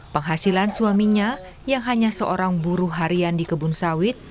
penghasilan suaminya yang hanya seorang buruh harian di kebun sawit